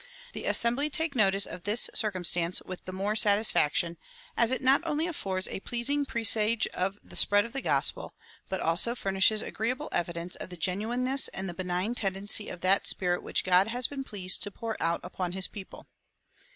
The Assembly take notice of this circumstance with the more satisfaction, as it not only affords a pleasing presage of the spread of the gospel, but also furnishes agreeable evidence of the genuineness and the benign tendency of that spirit which God has been pleased to pour out upon his people."